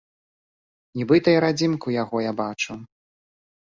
Нібыта і радзімку яго я бачу.